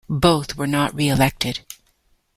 Both were not re-elected.